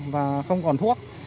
và không còn thuốc